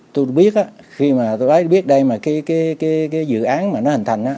tôi biết á khi mà tôi biết đây mà cái dự án mà nó hình thành á